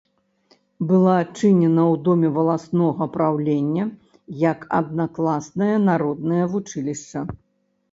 Была адчынена ў доме валаснога праўлення як аднакласнае народнае вучылішча.